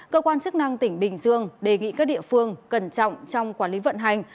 cơ quan chức năng tỉnh bình dương đề nghị các địa phương cẩn trọng trong quản lý vận hành